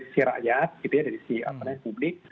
sisi rakyat dari sisi publik